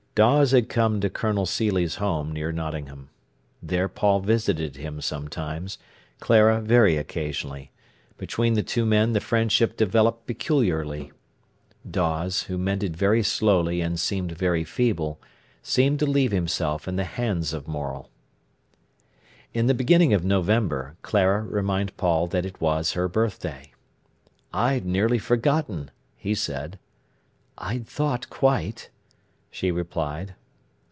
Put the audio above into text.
Dawes had come to Colonel Seely's Home near Nottingham. There Paul visited him sometimes, Clara very occasionally. Between the two men the friendship developed peculiarly. Dawes, who mended very slowly and seemed very feeble, seemed to leave himself in the hands of Morel. In the beginning of November Clara reminded Paul that it was her birthday. "I'd nearly forgotten," he said. "I'd thought quite," she replied.